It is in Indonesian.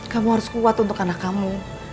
kamu harus kuat untuk anak kamu